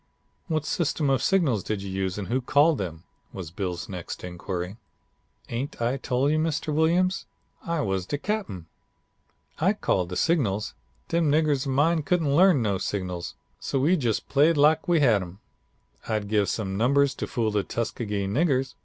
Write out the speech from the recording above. "'What system of signals did you use and who called them?' was Bill's next inquiry. "'Ain't I tole you, Mr. Williams, I was de cap'en. I called the signals. Dem niggers of mine couldn't learn no signals, so we jus' played lack we had some. I'd give some numbers to fool the Tuskegee niggers.